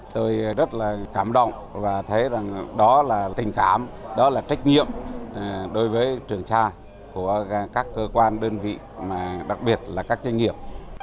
tôi rất là cảm động và thấy rằng đó là tình cảm đó là trách nhiệm đối với trường sa của các cơ quan đơn vị đặc biệt là các doanh nghiệp